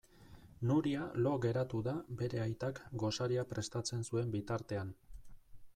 Nuria lo geratu da bere aitak gosaria prestatzen zuen bitartean.